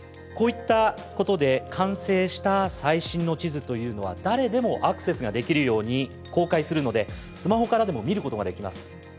こういったことで完成した最新の地図というのは誰でもアクセスができるように公開するのでスマホからでも見ることができます。